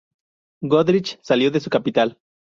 Goodrich salió de su capital.